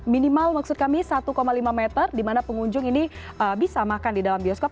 minimal maksud kami satu lima meter di mana pengunjung ini bisa makan di dalam bioskop